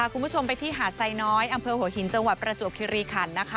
คุณผู้ชมไปที่หาดไซน้อยอำเภอหัวหินจังหวัดประจวบคิริขันนะคะ